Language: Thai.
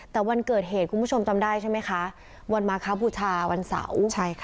แต่วันเกิดเหตุคุณผู้ชมจำได้ใช่ไหมคะวันมาคบูชาวันเสาร์